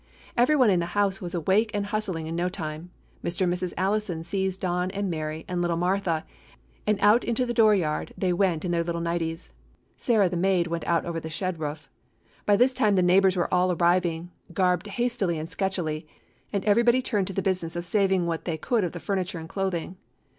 Every one in the house was awake and hustling in no time. Mr. and Mrs. Allison seized Don and Mary and little Martha, and out into the door yard they went in their little nighties. Sarah the maid went out over the shed roof. By this time the neighbors were all arriving, garbed hastily and sketchily, and everybody turned to the business of saving what they could of the furniture and clothing.